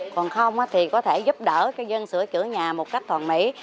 còn không thì có thể giúp đỡ cho dân sửa chữa nhà một cách toàn mỹ